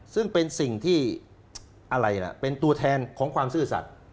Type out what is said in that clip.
ซึ่งเป็นสิ่งที่อะไรล่ะเป็นตัวแทนของความซื่อสัตว์